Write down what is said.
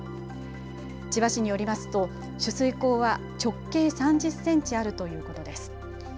千葉市によりますと取水口は直径３０センチあるということです。